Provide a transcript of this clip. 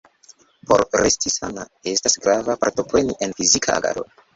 Por resti sana estas grava partopreni en fizika agado.